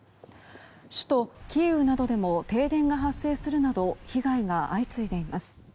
首都キーウなどでも停電が発生するなど被害が相次いでいます。